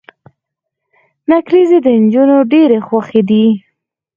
نکریزي د انجونو ډيرې خوښې دي.